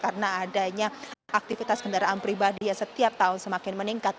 karena adanya aktivitas kendaraan pribadi yang setiap tahun semakin meningkat